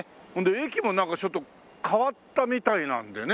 駅もなんかちょっと変わったみたいなんでね。